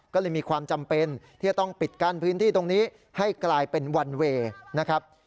ก็เลยมีความจำเป็นที่จะต้องปิดกั้นพื้นที่ตรงนี้ให้กลายเป็นวันเวย์นะครับ